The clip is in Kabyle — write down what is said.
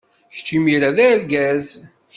Kečč imir-a d argaz.